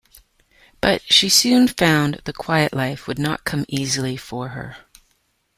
But, she soon found the quiet life would not come easily for her.